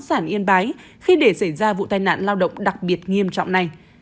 sản yên bái khi để xảy ra vụ tai nạn lao động đặc biệt nghiêm trọng này